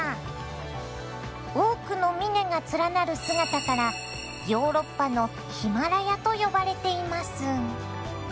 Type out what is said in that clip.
多くの峰が連なる姿からヨーロッパのヒマラヤと呼ばれています。